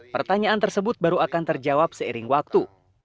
pertanyaan tersebut baru akan terjawab seiring waktu